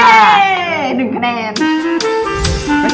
เย้หนึ่งคะแดน